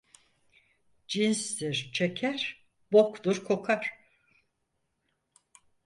Cinstir çeker, boktur kokar!